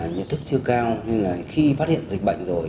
nhận thức chưa cao nên là khi phát hiện dịch bệnh rồi